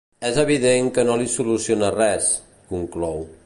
És evident que no li soluciona res, conclou.